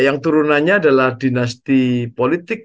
yang turunannya adalah dinasti politik